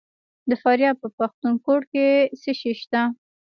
د فاریاب په پښتون کوټ کې څه شی شته؟